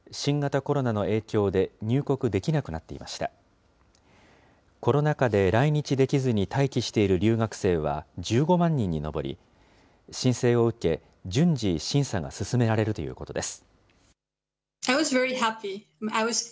コロナ禍で来日できずに待機している留学生は１５万人に上り、申請を受け、順次、審査が進められるということです。